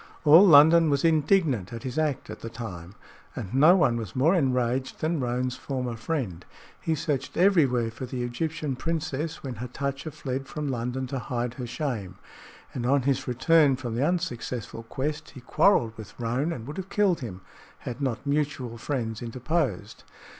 All London was indignant at his act at the time, and no one was more enraged than Roane's former friend. He searched everywhere for the Egyptian princess when Hatatcha fled from London to hide her shame, and on his return from the unsuccessful quest, he quarreled with Roane and would have killed him had not mutual friends interposed.